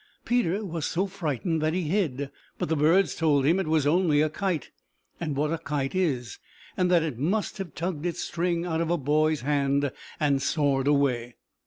Peter was so frightened that he hid, but the birds told him it was only a kite, and what a kite is, and that it must have tugged its string out of a boy's hand, and soared away.